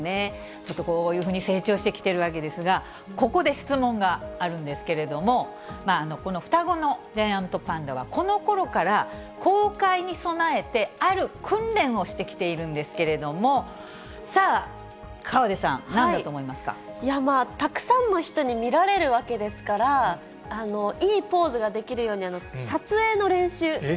ちょっとこういうふうに成長してきているわけなんですが、ここで質問があるんですけれども、この双子のジャイアントパンダはこのころから公開に備えてある訓練をしてきているんですけれども、さあ、河出さん、なんだと思いまたくさんの人に見られるわけですから、いいポーズができるように、撮影の練習。